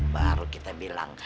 baru kita bilang